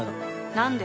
何で？